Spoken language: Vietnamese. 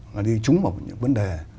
là đi trúng vào những vấn đề